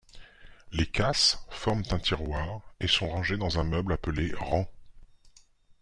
Les casses forment un tiroir et sont rangées dans un meuble appelé rang.